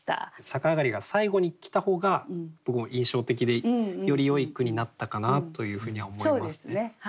「さかあがり」が最後に来た方が僕も印象的でよりよい句になったかなというふうには思いますね。